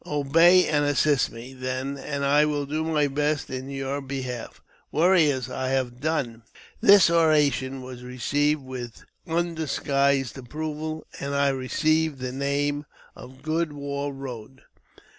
Obey and 'assist me, then, and I will do my best in your behalf. Warriors, I have done." This oration was received with undisguised approval, and I [received the name of Good War Eoad.